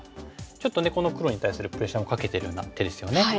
ちょっとこの黒に対するプレッシャーもかけてるような手ですよね。